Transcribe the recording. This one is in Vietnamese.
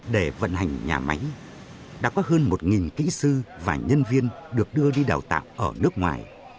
để vận hành nhà máy đã có hơn một kỹ sư và nhân viên được đưa đi đào tạo ở nước ngoài